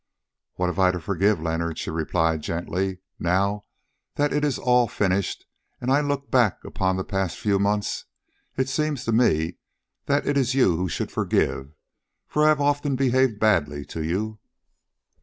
"What have I to forgive, Leonard?" she replied gently. "Now that it is all finished and I look back upon the past few months, it seems to me that it is you who should forgive, for I have often behaved badly to you."